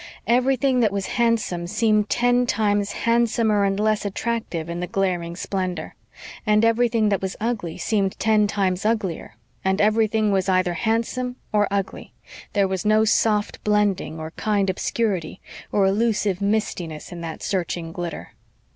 Everything that was handsome seemed ten times handsomer and less attractive in the glaring splendor; and everything that was ugly seemed ten times uglier, and everything was either handsome or ugly. There was no soft blending, or kind obscurity, or elusive mistiness in that searching glitter.